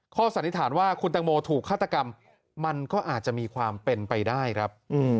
สันนิษฐานว่าคุณตังโมถูกฆาตกรรมมันก็อาจจะมีความเป็นไปได้ครับ